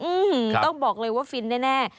อื้มต้องบอกเลยว่าฝีนแน่